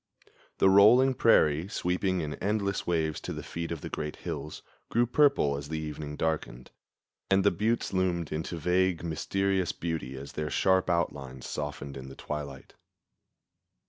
The rolling prairie, sweeping in endless waves to the feet of the great hills, grew purple as the evening darkened, and the buttes loomed into vague, mysterious beauty as their sharp outlines softened in the twilight.